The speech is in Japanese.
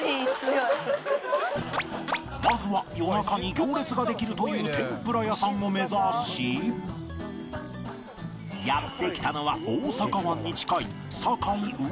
まずは夜中に行列ができるという天ぷら屋さんを目指しやって来たのは大阪湾に近い堺魚市場